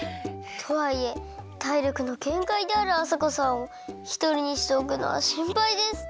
とはいえ体力のげんかいであるあさこさんをひとりにしておくのはしんぱいです！